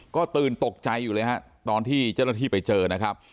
ก็ตื่นตกใจอยู่เลยฮะตอนที่เจ้าหน้าที่ไปเจอนะครับ